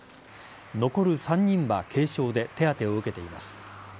残る３人は軽傷で手当てを受けています。